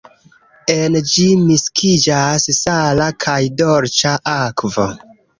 En ĝi miksiĝas sala kaj dolĉa akvo.